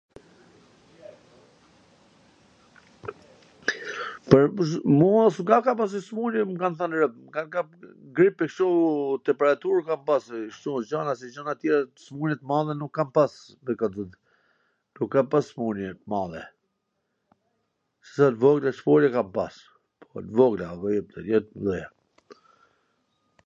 Mua s mw ka kap asnjw smun-je m kan than robt, me kan kap gripe kshtu, po temperatur kam pas, se gjana, kshtu gjanash, nonj gja t madhe nuk kam pas mw kan than, nuk kam pas smun-je t madhe, se t vogla smun-je kam pas, po t vogla jo t mdhaja